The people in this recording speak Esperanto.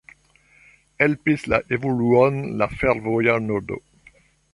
Helpis la evoluon la fervoja nodo.